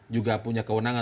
juga punya kewenangan